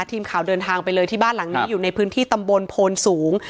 ทีมข่าวเดินทางไปเลยที่บ้านหลังนี้อยู่ในพื้นที่ตำบลโพนสูง